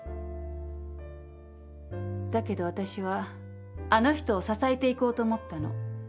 だけどわたしはあの人を支えていこうと思ったの。